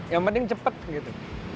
yang penting cepat gitu